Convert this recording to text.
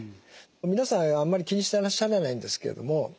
皆さんあんまり気にしてらっしゃらないんですけども